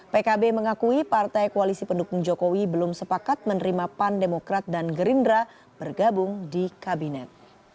pkb mengakui partai koalisi pendukung jokowi belum sepakat menerima pan demokrat dan gerindra bergabung di kabinet